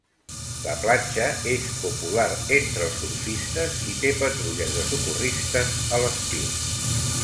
La platja és popular entre els surfistes i té patrulles de socorristes a l'estiu.